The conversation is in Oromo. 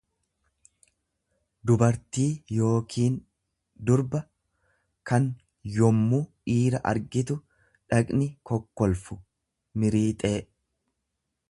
dubartii yookiin durba kan yommuu dhiira argitu dhaqni kokkolfu, miriixee.